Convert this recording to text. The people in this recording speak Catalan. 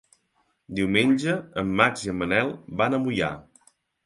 Diumenge en Max i en Manel van a Moià.